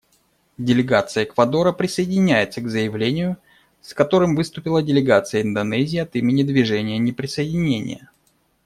Делегация Эквадора присоединяется к заявлению, с которым выступила делегация Индонезии от имени Движения неприсоединения.